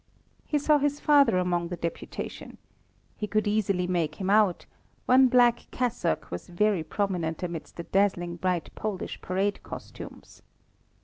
He saw his father among the deputation. He could easily make him out one black cassock was very prominent amidst the dazzling bright Polish parade costumes.